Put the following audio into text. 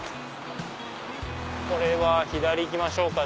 これは左行きましょうか。